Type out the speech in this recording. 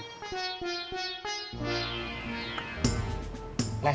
rasanya ini pak